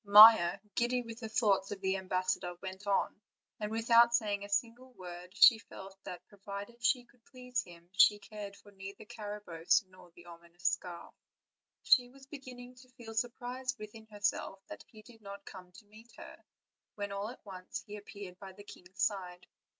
Maia, giddy with the thoughts of the ambassador, went on, and without saying a single word she felt that provided she could please him she cared for neither Carabosse nor the ominous scarf; she was beginning to feel surprised within herself that he did not come to meet her, when all at once he appeared by the king's side.